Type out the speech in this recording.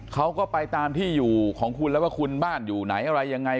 เขาก็ไปตามที่อยู่ของคุณแล้วว่าคุณบ้านอยู่ไหนอะไรยังไง